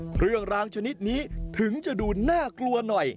เครื่องรางชนิดนี้ถึงจะดูน่ากลัวหน่อย